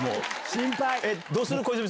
心配！